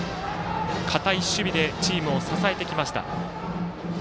堅い守備でチームを支えてきました。